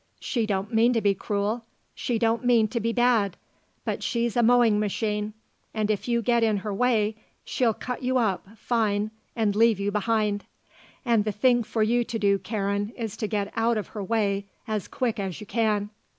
She don't mean to be cruel, she don't mean to be bad; but she's a mowing machine and if you get in her way she'll cut you up fine and leave you behind. And the thing for you to do, Karen, is to get out of her way as quick as you can."